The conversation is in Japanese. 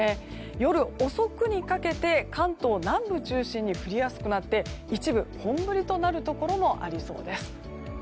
夜遅くにかけて関東南部中心に降りやすくなって一部、本降りとなるところもありそうです。